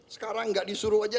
sekarang nggak disuruh aja